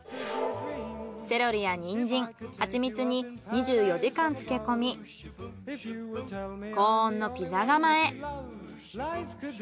セロリやニンジンはちみつに２４時間漬け込み高温のピザ窯へ。